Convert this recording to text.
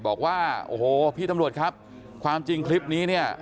บอกว่าโอ้โหพี่ตำรวจครับความจริงคลิปนี้เนี่ย